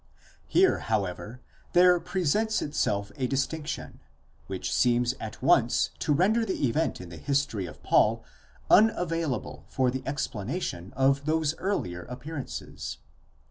Here however there presents itself a distinction, which seems at once to render the event in the history of Paul unavailable for the explanation of those earlier appearances.